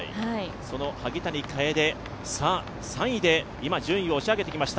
萩谷楓、３位で順位を押し上げてきました。